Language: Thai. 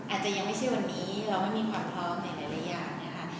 อาจจะยังไม่ใช่วันนี้เราไม่มีความพร้อมในหลายอย่างนะคะ